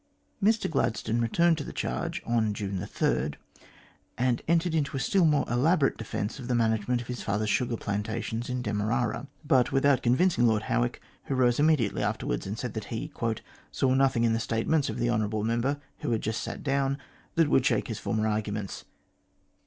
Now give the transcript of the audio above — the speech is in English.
Mr Gladstone returned to the charge on June 3, and entered into a still more elaborate defence of the manage ment of his father's sugar plantations in Demerara, but without convincing Lord Howick, who rose immediately afterwards, and said that he " saw nothing in the statements of the hon. member who had just sat down that would shake his former arguments.